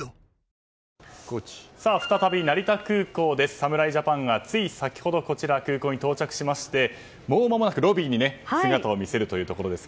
侍ジャパンが、つい先ほど空港に到着しましてもうまもなくロビーに姿を見せるところです。